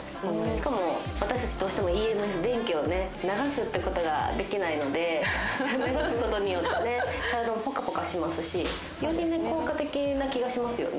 しかも私たちどうしてもＥＭＳ電気をね流すってことができないので流すことによって体はポカポカしますしより効果的な気がしますよね